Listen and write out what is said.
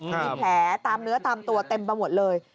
มีแผลตามเนื้อตามตัวเต็มไปหมดเลย